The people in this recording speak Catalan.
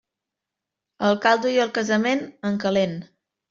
El caldo i el casament, en calent.